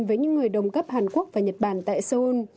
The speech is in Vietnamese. với những người đồng cấp hàn quốc và nhật bản tại seoul